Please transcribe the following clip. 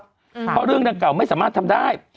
เพราะเรื่องดังเก่าไม่สามารถทำได้